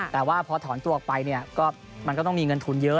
แต่ว่าพอถอนตัวออกไปมันก็ต้องมีเงินทุนเยอะ